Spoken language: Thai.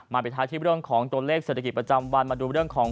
มาไปท้ายทีพูดเรื่องของตัวเลขเสธกิจประจำวัน